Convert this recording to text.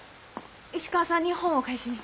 石川さんに本を返しに。